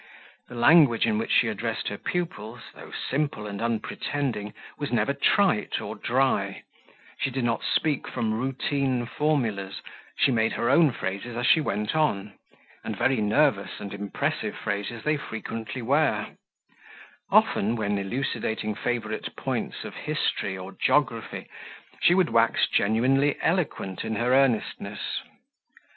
The language in which she addressed her pupils, though simple and unpretending, was never trite or dry; she did not speak from routine formulas she made her own phrases as she went on, and very nervous and impressive phrases they frequently were; often, when elucidating favourite points of history, or geography, she would wax genuinely eloquent in her earnestness.